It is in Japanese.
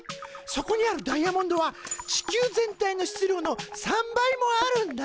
そこにあるダイヤモンドは地球全体の質量の３倍もあるんだ。